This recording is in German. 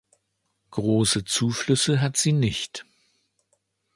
Große Zuflüsse hat sie nicht.